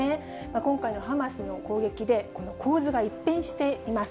今回のハマスの攻撃で、この構図が一変しています。